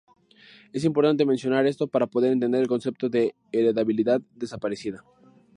Es importante mencionar esto para poder entender el concepto de heredabilidad desaparecida.